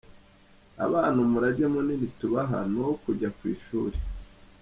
Abana umurage munini tubaha ni uwo kujya ku ishuri.